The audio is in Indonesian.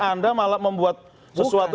anda malah membuat sesuatu